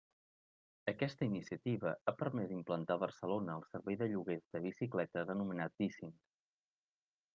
Aquesta iniciativa ha permès implantar a Barcelona el servei de lloguer de bicicletes anomenat Bicing.